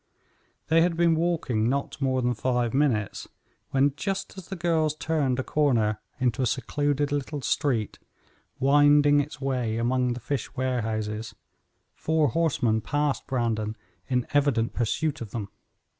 They had been walking not more than five minutes, when, just as the girls turned a corner into a secluded little street, winding its way among the fish warehouses, four horsemen passed Brandon in evident pursuit of them.